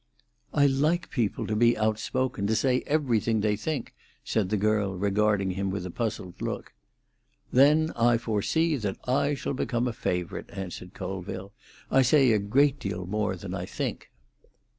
"I like people to be outspoken—to say everything they think," said the girl, regarding him with a puzzled look. "Then I foresee that I shall become a favourite," answered Colville. "I say a great deal more than I think."